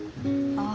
ああ。